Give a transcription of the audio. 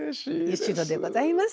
八代でございます。